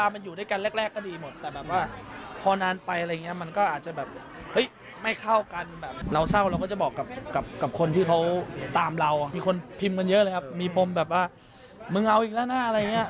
มึงเอาอีกแล้วนะอะไรอย่างเงี้ย